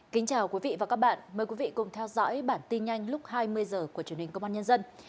kính chào quý vị và các bạn mời quý vị cùng theo dõi bản tin nhanh lúc hai mươi h của truyền hình công an nhân dân